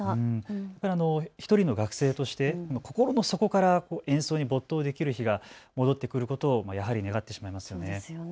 １人の学生として、心の底から演奏に没頭できる日が戻ってくることをやはり願ってしまいますよね。